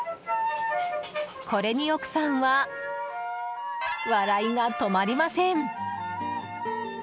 これに奥さんは笑いが止まりません。